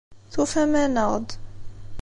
Tufam-aneɣ-d.